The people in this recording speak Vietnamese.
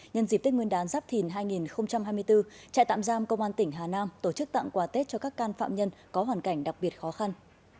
nhân dịp tết nguyên đán giáp thìn hai nghìn hai mươi bốn trại tạm giam công an tỉnh hà nam tổ chức tặng quà tết cho các can phạm nhân có hoàn cảnh đặc biệt khó khăn